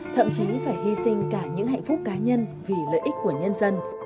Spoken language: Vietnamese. thậm chí phải hy sinh cả những hạnh phúc cá nhân vì lợi ích của nhân dân